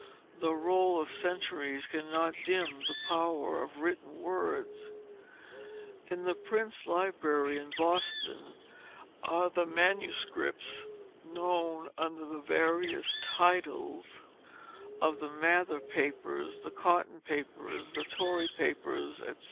The roll of centuries cannot dim the power of written words. In the Prince Library, in Boston, are the manuscripts known under the various titles of the Mather Papers, the Cotton Papers, the Torrey Papers, etc.